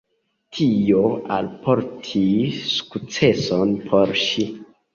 Tio alportis sukceson por ŝi.